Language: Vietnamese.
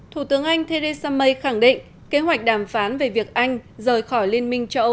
thủ tướng anh theresa may khẳng định kế hoạch đàm phán về việc anh rời khỏi liên minh cho